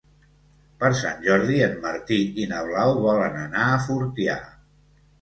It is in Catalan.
Per Sant Jordi en Martí i na Blau volen anar a Fortià.